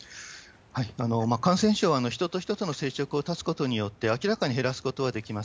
感染症は人と人との接触を絶つことによって、明らかに減らすことができます。